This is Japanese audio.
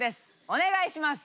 お願いします。